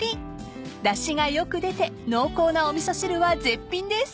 ［だしがよく出て濃厚なお味噌汁は絶品です］